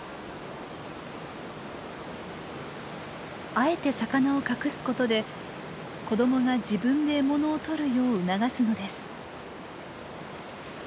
あえて魚を隠すことで子どもが自分で獲物を捕るよう促すのです。